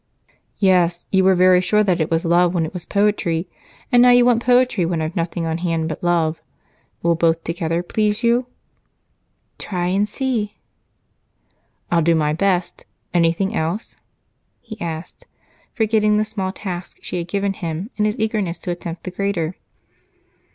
"Yes, you were very sure that it was love when it was poetry, and now you want poetry when I've nothing on hand but love. Will both together please you?" "Try and see." "I'll do my best. Anything else?" he asked, forgetting the small task she had given him in his eagerness to attempt the greater.